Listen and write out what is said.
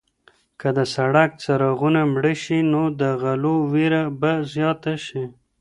که د سړک څراغونه مړه شي نو د غلو وېره به زیاته شي.